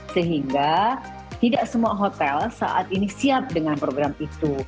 sehingga tidak semua hotel saat ini siap dengan program itu